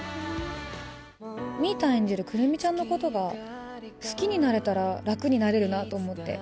みぃたん演じる来泉ちゃんのことが好きになれたら楽になれるなと思って。